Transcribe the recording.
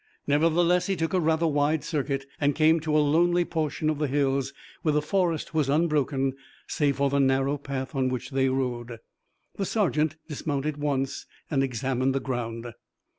Nevertheless he took a rather wide circuit and came into a lonely portion of the hills, where the forest was unbroken, save for the narrow path on which they rode. The sergeant dismounted once and examined the ground.